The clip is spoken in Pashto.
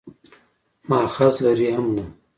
مأخذ لري هم نه.